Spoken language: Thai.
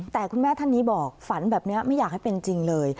แต่คุณแม่ท่านนี้บอกฝันแบบนี้ไม่อยากให้เป็นจริงเลย